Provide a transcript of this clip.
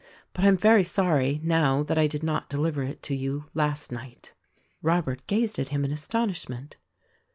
But I am very sorry, now, that I did not deliver it to you last night." Robert gazed at him in astonishment.